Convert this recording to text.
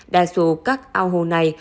đa số các ao hồ này